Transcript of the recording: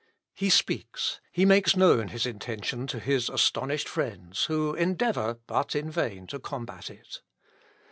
He speaks.... He makes known his intention to his astonished friends, who endeavour, but in vain, to combat it.